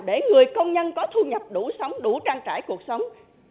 để người công nhân có thu nhập đủ sống đủ trang trải cuộc sống